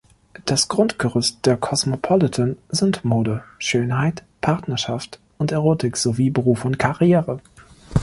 Das Grundgerüst der Cosmopolitan sind Mode, Schönheit, Partnerschaft und Erotik sowie Beruf und Karriere.